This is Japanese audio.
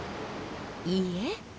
いいえ